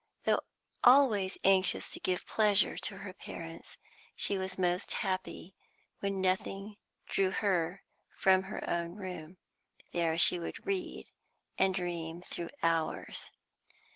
Though always anxious to give pleasure to her parents, she was most happy when nothing drew her from her own room; there she would read and dream through hours.